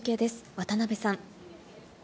渡邊さん。